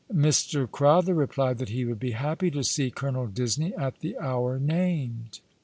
Mr. Crowther replied that he would be happy to see Colonel Disney at the hour named.